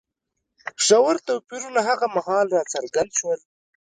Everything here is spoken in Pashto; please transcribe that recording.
ژور توپیرونه هغه مهال راڅرګند شول.